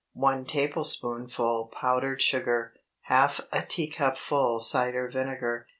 1 tablespoonful powdered sugar. Half a teacupful cider vinegar.